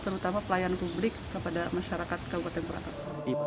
terutama pelayanan publik kepada masyarakat kabupaten purwakarta